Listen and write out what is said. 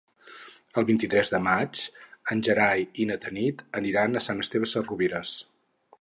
El vint-i-tres de maig en Gerai i na Tanit aniran a Sant Esteve Sesrovires.